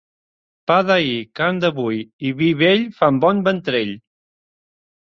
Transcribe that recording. Pa d'ahir, carn d'avui i vi vell fan bon ventrell.